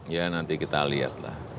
ya nanti kita lihatlah